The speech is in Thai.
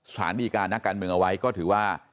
สารดีการนักการเมืองเอาไว้ก็ถือว่า